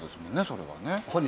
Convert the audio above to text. それはね。